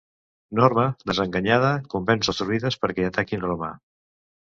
Norma, desenganyada, convenç els druides perquè ataquin Roma.